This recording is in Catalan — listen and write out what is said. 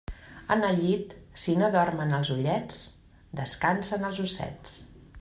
En el llit, si no dormen els ullets, descansen els ossets.